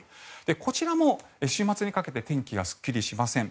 こちらも週末にかけて天気がすっきりしません。